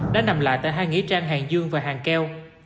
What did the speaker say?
đã nằm lại tại hai nghĩa trang hàng dương và hàng keo